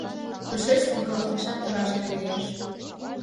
Тушеч логалташат торашке лиеш.